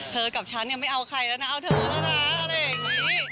เธอกับฉันยังไม่เอาใครแล้วนะเอาเธอแล้วนะอะไรอย่างนี้